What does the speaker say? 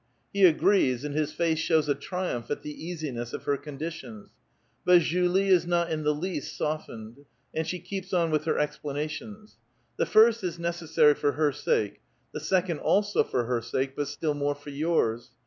He agi*ees, and his face shows A triumph at the easiness of her conditions ; but Julie is not in the least softened, and she keeps on with her explana tions. "The first is necessary for her sake; the second also for her sake, but still more for jours.